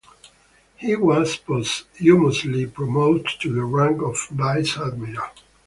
He was posthumously promoted to the rank of vice admiral.